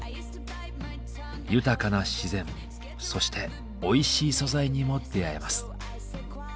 豊かな自然そしておいしい素材にも出会えます。